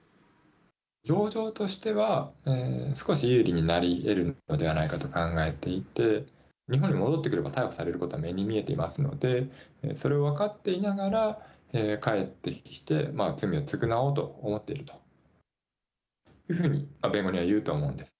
情状としては、少し有利になりえるのではないかと考えていて、日本に戻ってくれば逮捕されることは目に見えていますので、それを分かっていながら帰ってきて、罪を償おうと思っているというふうに弁護人は言うと思うんです。